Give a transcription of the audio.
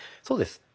そうです。